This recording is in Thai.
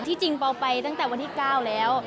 จริงเปล่าไปตั้งแต่วันที่๙แล้ว